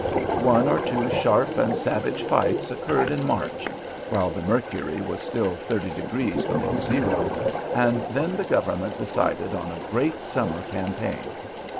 One or two sharp and savage fights occurred in March, while the mercury was still thirty degrees below zero, and then the government decided on a great summer campaign.